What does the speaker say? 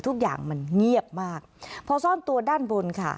ทุกอย่างมันเงียบมากพอซ่อนตัวด้านบนค่ะ